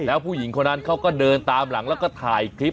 แล้วผู้หญิงคนนั้นเขาก็เดินตามหลังแล้วก็ถ่ายคลิป